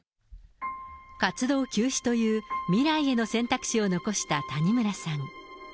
活動休止という未来への選択肢を残した谷村さん。